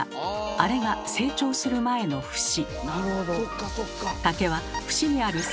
あれが成長する前の節。